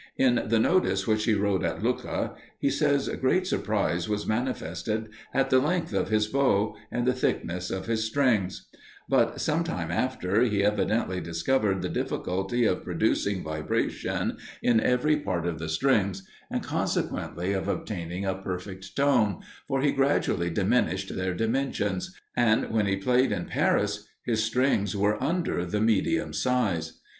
In the notice which he wrote at Lucca, he says great surprise was manifested at the length of his bow, and the thickness of his strings; but, some time after, he evidently discovered the difficulty of producing vibration in every part of the strings, and consequently, of obtaining a perfect tone, for he gradually diminished their dimensions and when he played in Paris his strings were under the medium size.